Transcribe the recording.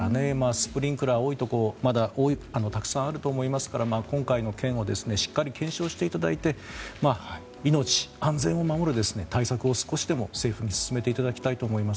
スプリンクラーがないところたくさんあると思いますから今回の件をしっかり検証していただいて命、安全を守る対策を少しでも政府に進めていただきたいと思います。